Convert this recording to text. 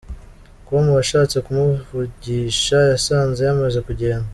com washatse kumuvugisha yasanze yamaze kugenda.